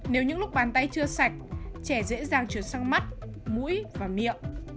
nếu những lúc bàn tay chưa sạch trẻ dễ dàng chuyển sang mắt mũi và miệng